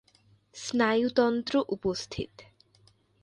স্নায়ুতন্ত্র উপস্থিত।